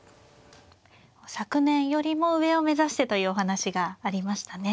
昨年よりも上を目指してというお話がありましたね。